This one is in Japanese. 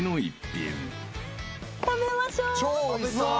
超おいしそう。